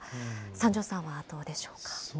三條さんはどうでしょうか。